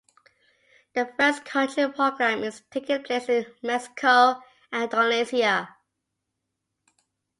The first country program is taking place in Mexico and Indonesia.